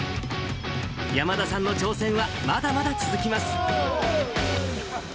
山田さんの挑戦はまだまだ続きます。